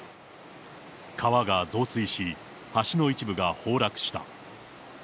川が増水し、橋の一部が崩落した。